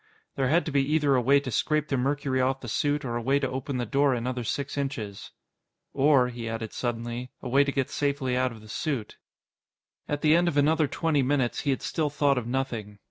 There had to be either a way to scrape the mercury off the suit or a way to open the door another six inches. Or, he added suddenly, a way to get safely out of the suit. At the end of another twenty minutes, he had still thought of nothing.